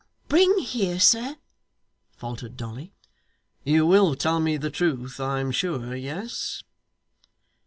'Bring here, sir?' faltered Dolly. 'You will tell me the truth, I am sure. Yes.